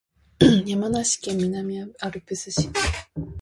山梨県南アルプス市